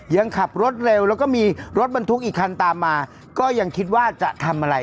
ยังขับรถเร็วแล้วก็มีรถบรรทุกอีกคันตามมาก็ยังคิดว่าจะทำอะไร